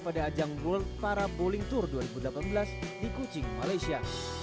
pada ajang world para bowling tour dua ribu delapan belas di kuching malaysia